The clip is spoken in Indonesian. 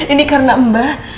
ini karena mbak